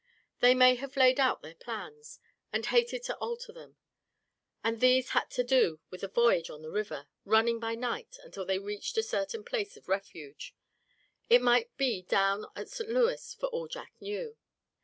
They may have laid out their plans, and hated to alter them; and these had to do with a voyage on the river, running by night, until they reached a certain place of refuge; it might be down at St. Louis, for all Jack knew.